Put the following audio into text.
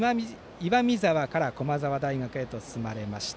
岩見沢から駒沢大学へと進まれました。